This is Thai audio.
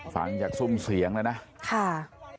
ฟังอยากทรวมเสียงแล้วนะฟ้า